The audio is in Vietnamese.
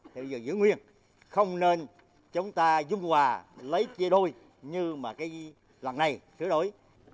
thì bây giờ giữ nguyên không nên chúng ta dung hòa lấy chia đôi như mà cái lần này chia đôi